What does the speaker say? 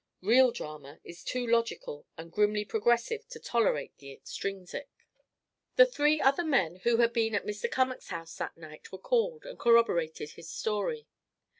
Real drama is too logical and grimly progressive to tolerate the extrinsic. The three other men who had been at Mr. Cummack's house that night were called, and corroborated his story.